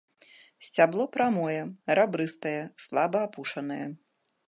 Сцябло прамое, рабрыстае, слаба апушанае.